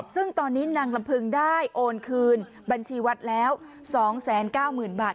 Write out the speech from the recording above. ซึ่งตอนนี้นางลำพึงได้โอนคืนบัญชีวัดแล้ว๒๙๐๐๐บาท